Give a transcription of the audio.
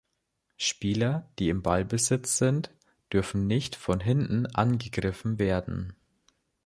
Spieler, die im Ballbesitz sind, dürfen nicht von hinten angegriffen werden.